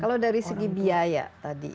kalau dari segi biaya tadi